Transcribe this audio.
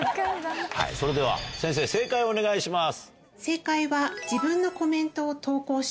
それでは先生正解をお願いします。